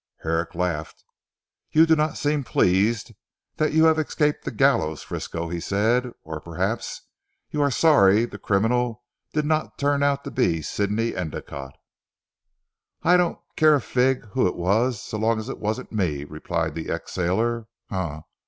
Herrick laughed. "You do not seem pleased that you have escaped the gallows, Frisco," he said, "or perhaps you are sorry the criminal did not turn out to be Sidney Endicotte." "I don't care a fig who it was so long as it wasn't me," replied the ex sailor. "Huh!